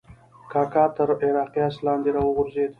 کاکا تر عراقي آس لاندې راوغورځېد.